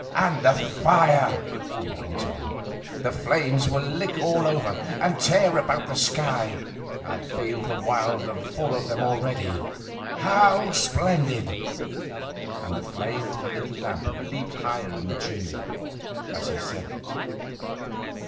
'And the fire!' he went on. 'The flames will lick all over, and tear about the sky. I feel wild and full of them already! How splendid!' And the flame of the little lamp leaped higher in the chimney as he said it.